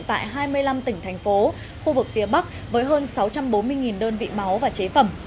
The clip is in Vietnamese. tại hai mươi năm tỉnh thành phố khu vực phía bắc với hơn sáu trăm bốn mươi đơn vị máu và chế phẩm